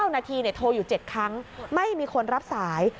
นาทีโทรอยู่๗ครั้งไม่มีคนรับสาย